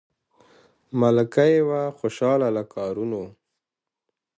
ملکه یې وه خوشاله له کارونو